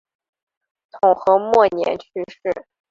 统和末年去世。